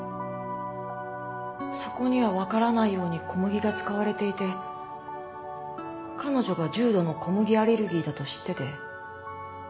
そこには分からないように小麦が使われていて彼女が重度の小麦アレルギーだと知ってて事故に見せ掛けて殺そうとしたそうです。